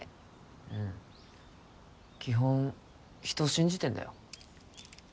うん基本人信じてんだよ